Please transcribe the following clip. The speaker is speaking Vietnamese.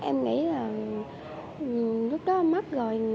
em nghĩ là lúc đó mất rồi